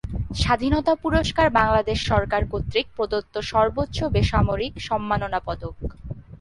স্বাধীনতা পুরস্কার বাংলাদেশ সরকার কর্তৃক প্রদত্ত সর্বোচ্চ বেসামরিক সম্মাননা পদক।